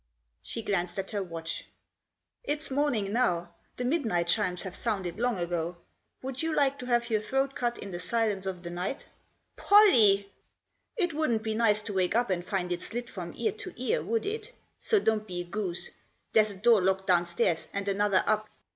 She glanced at her watch. "It's morning now; the midnight chimes have sounded long ago. Would you like to have your throat cut in the silence of the night ?"" Pollie !"" It wouldn't be nice to wake up and find it slit from ear to ear, would it ? So don't be a goose. There's a door locked downstairs and another up.